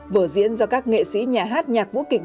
vở diễn do các nghệ sĩ nhà hát nhạc vũ kịch